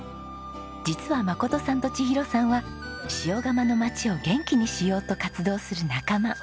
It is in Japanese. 実は真さんと千尋さんは塩竈の街を元気にしようと活動する仲間。